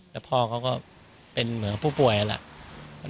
แล้วพ่อเขาก็เป็นเหมือนผู้ป่วยนั่นแหละ